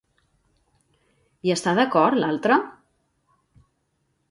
Hi està d'acord l'altra?